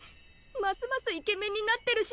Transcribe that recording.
ますますイケメンになってるし。